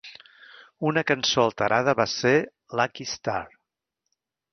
Una cançó alterada va ser "Lucky Star".